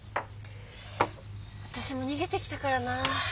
私も逃げてきたからな。